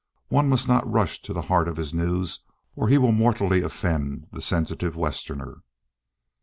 One must not rush to the heart of his news or he will mortally offend the sensitive Westerner.